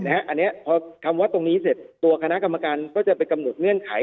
อันนี้พอคำว่าตรงนี้เสร็จตัวคณะกรรมการก็จะไปกำหนดเงื่อนไข